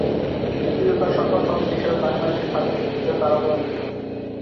মুক্তিযোদ্ধা সংগঠক হিসেবে বাংলাদেশের স্বাধীনতা যুদ্ধে তার অবদান ছিলো।